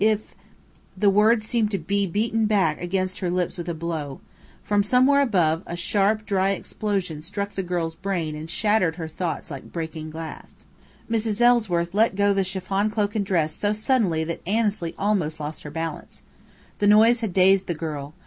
If " The words seemed to be beaten back against her lips with a blow. From somewhere above a sharp, dry explosion struck the girl's brain and shattered her thoughts like breaking glass. Mrs. Ellsworth let go the chiffon cloak and dress so suddenly that Annesley almost lost her balance. The noise had dazed the girl.